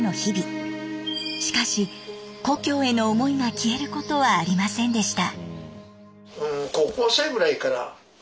しかし故郷への思いが消えることはありませんでした。